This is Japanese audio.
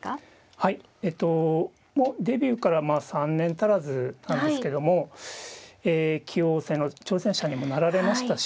えとデビューから３年足らずなんですけどもえ棋王戦の挑戦者にもなられましたし。